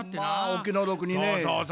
まあお気の毒にね。